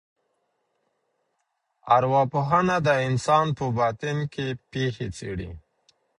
ارواپوهنه د انسان په باطن کي پېښي څېړي.